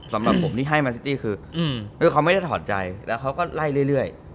สำหรับผมที่ให้คืออืมคือเขาไม่ได้ถอดใจแล้วเขาก็ไล่เรื่อยเรื่อย